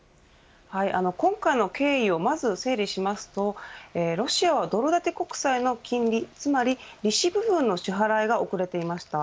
今回の経緯をまず整理しますとロシアはドル建て国債の金利つまり利子部分の支払いが遅れていました。